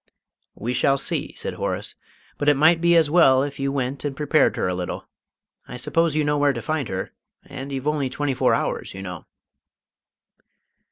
"We shall see," said Horace. "But it might be as well if you went and prepared her a little. I suppose you know where to find her and you've only twenty four hours, you know."